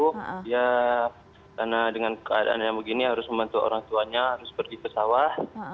karena dengan keadaannya begini harus membantu orang tuanya harus pergi ke sawah